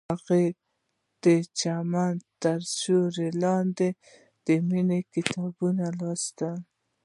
هغې د چمن تر سیوري لاندې د مینې کتاب ولوست.